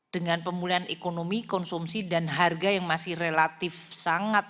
dengan pemulihan ekonomi konsumsi dan harga yang masih relatif sangat